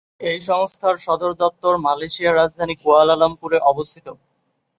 এই সংস্থার সদর দপ্তর মালয়েশিয়ার রাজধানী কুয়ালালামপুরে অবস্থিত।